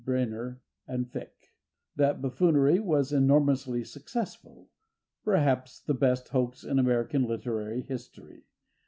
Bynner and Ficke. That buffoonery was enormously successful—perhaps the best hoax in American literary history.